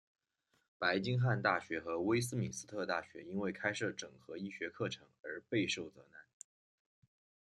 白金汉大学和威斯敏斯特大学因为开设整合医学课程而备受责难。